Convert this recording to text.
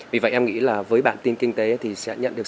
vì vậy em nghĩ là với bản tin kinh tế thì sẽ nhận được